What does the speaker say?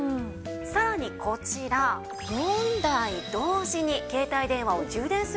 さらにこちら４台同時に携帯電話を充電する事も可能なんです。